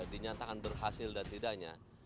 dinyatakan berhasil dan tidaknya